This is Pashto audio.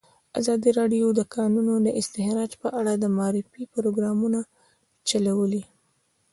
ازادي راډیو د د کانونو استخراج په اړه د معارفې پروګرامونه چلولي.